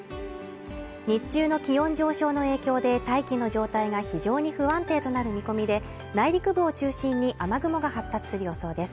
日中の気温上昇の影響で大気の状態が非常に不安定となる見込みで、内陸部を中心に雨雲が発達する予想です。